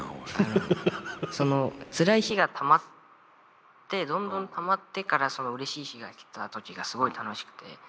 そのつらい日がたまってどんどんたまってからそのうれしい日が来た時がすごい楽しくて。